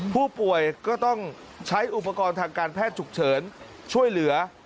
ผู้ป่วยก็ต้องใช้อุปกรณ์ทางการแพทย์ฉุกเฉินช่วยเหลือ